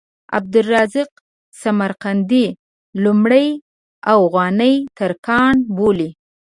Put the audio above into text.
عبدالرزاق سمرقندي لومړی اوغاني ترکان بولي.